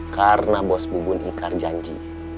karena bos bubun ingkar janji